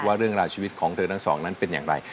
เรื่องราวชีวิตของเธอทั้งสองนั้นเป็นอย่างไร